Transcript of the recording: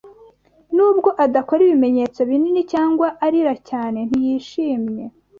Nubwo adakora ibimenyetso binini cyangwa arira cyane ntiyishimye